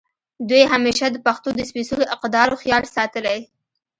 دوي همېشه د پښتو د سپېځلو اقدارو خيال ساتلے